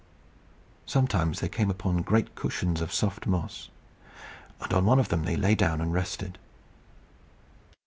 Sometimes they came upon great cushions of soft moss, and on one of them they lay down and rested.